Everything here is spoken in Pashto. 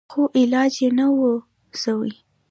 خو علاج يې نه و سوى.